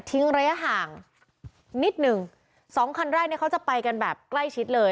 ระยะห่างนิดหนึ่งสองคันแรกเนี่ยเขาจะไปกันแบบใกล้ชิดเลย